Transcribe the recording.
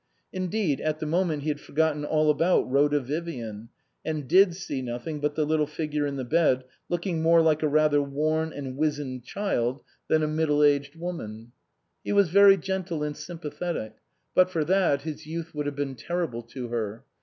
Indeed, at the moment he had forgotten all about Rhoda Vivian, and did see nothing but the little figure in the bed looking more like a rather worn and wizened child than a middle 233 SUPERSEDED aged woman. He was very gentle and sym pathetic ; but for that his youth would have been terrible to her.